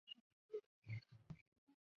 柯震东曾与萧亚轩和李毓芬交往。